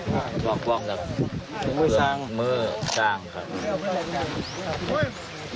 พวกมันชุดของมือสร้างครับ